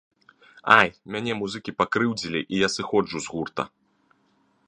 Ай, мяне музыкі пакрыўдзілі і я сыходжу з гурта.